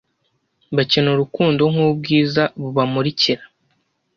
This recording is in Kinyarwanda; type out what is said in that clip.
Bakeneye urukundo nkubwiza bubamurikira